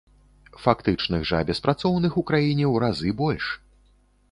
Фактычных жа беспрацоўных у краіне ў разы больш.